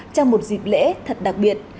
trong một dịp lễ thật đặc biệt